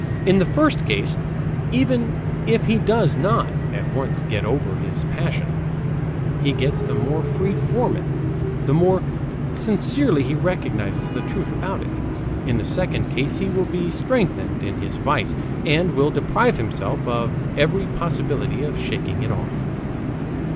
In the first case even if he does not at once get over his passion, he gets the more free from it the more sincerely he recognizes the truth about it; in the second case he will be strengthened in his vice and will deprive himself of every possibility of shaking it off.